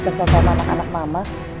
ya allah semoga gak ada apa apa